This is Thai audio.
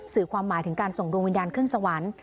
สื่อความหมายถึงการส่งดวงวิญญาณขึ้นสวรรค์